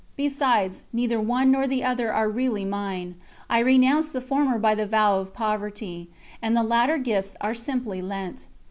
Besides, neither one nor the other are really mine; I renounced the former by the vow of poverty, and the latter gifts are simply lent.